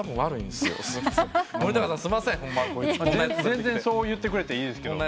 全然そう言ってくれていいですけど。